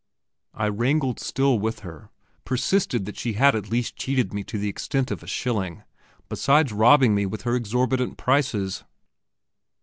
I wrangled still with her, persisted that she had at least cheated me to the extent of a shilling, besides robbing me with her exorbitant prices.